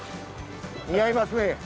似合いますね